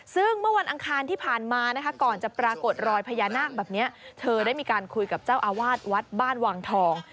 ซึ่งเมื่อวันอังคารที่ผ่านมานะคะก่อนจะปรากฏรอยพญานาคแบบนี้เธอได้มีการคุยกับเจ้าอาวาสวัดบ้านวังทอง